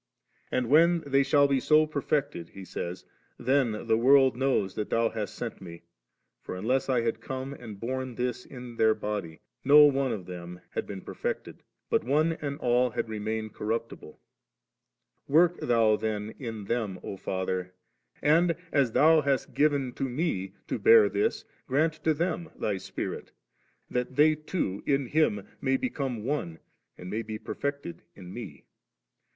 And when they shall be so perfected,* He says, 'then the world knows that Ihoii hast sent Me, for unless I had come and borne this their body, no one of them had been perfected, but one and all had remained cor* ruptible^ Work Thou then in them, O Father, and as Thou hast given to Me to bear this, grant to them Thy Spirit, that they too in It may become one, and may be perfected in Me.